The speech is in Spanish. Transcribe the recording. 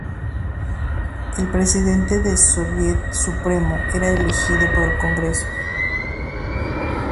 El Presidente del Sóviet Supremo era elegido por el Congreso.